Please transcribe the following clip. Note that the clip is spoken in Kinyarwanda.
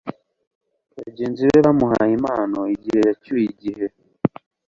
Bagenzi be bamuhaye impano igihe yacyuye igihe